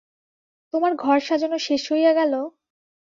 তোমার ঘর-সাজানো শেষ হইয়া গেল?